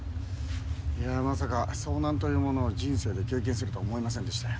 いやまさか遭難というものを人生で経験するとは思いませんでしたよ。